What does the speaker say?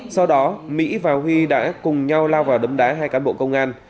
sau đó mỹ và huy đã cùng nhau lao vào đấm đá hai cán bộ công an